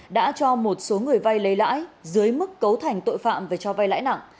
đã cho một số người vay lấy lãi dưới mức cấu thành tội phạm về cho vay lãi nặng